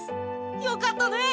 よかったね！